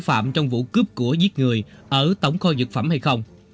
không biết quang là thủ phạm trong vụ cướp của giết người ở tổng kho dược phẩm hay không